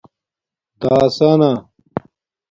دَاسانہ